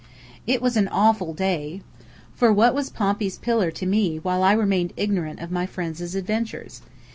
It was an awful day; for what was Pompey's Pillar to me while I remained ignorant of my friends' adventures?